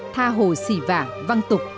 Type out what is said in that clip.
tha hồ xỉ vả văng tục